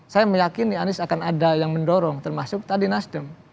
saya meyakini anies akan ada yang mendorong termasuk tadi nasdem